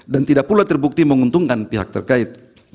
dan tidak pula terbukti menguntungkan pihak terkait